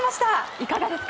いかがですか？